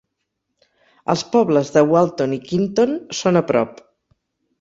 Els pobles de Walton i Kineton són a prop.